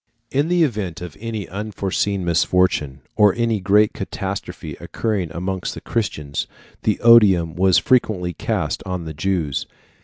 In the event of any unforeseen misfortune, or any great catastrophe occurring amongst Christians, the odium was frequently cast on the Jews.